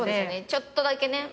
ちょっとだけね。